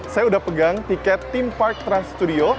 saya udah pegang tiket theme park trans studio